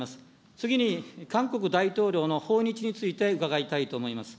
次に、韓国大統領の訪日について伺いたいと思います。